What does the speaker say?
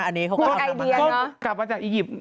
อันนี้เขาก็เอามาก่อนนะครับเพราะไอเดียเนอะก็กลับมาจากอีก